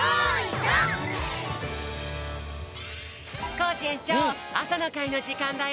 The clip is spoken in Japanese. コージえんちょうあさのかいのじかんだよ。